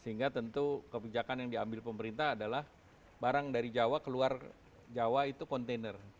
sehingga tentu kebijakan yang diambil pemerintah adalah barang dari jawa ke luar jawa itu kontainer